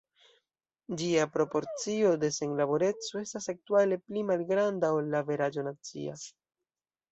Ĝia proporcio de senlaboreco estas aktuale pli malgranda ol la averaĝo nacia.